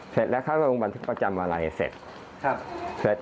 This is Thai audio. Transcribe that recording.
เสร็จแล้วเขาลงบันทึกประจำวันอะไรเสร็จ